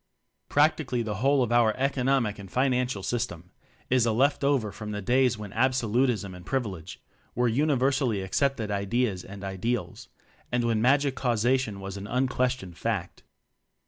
Prac tically the whole of our "Economic and Financial System" is a left over from the days when absolutism and privilege were universally accepted ideas and ideals; and when magic causation was an unquestioned "fact."